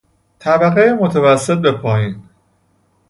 طبقهٔ متوسط به پایین